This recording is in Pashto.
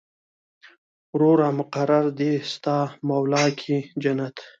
وروره مقر دې ستا مولا کې جنت.